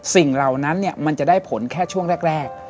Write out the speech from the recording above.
เหล่านั้นมันจะได้ผลแค่ช่วงแรก